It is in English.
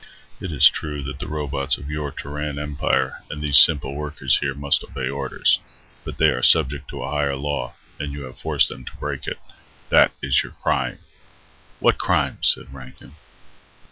"It is true that the robots of your Terran Empire and these simple workers here must obey orders. But they are subject to a higher law, and you have forced them to break it. That is your crime." "What crime?" said Rankin.